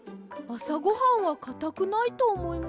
あさごはんはかたくないとおもいます。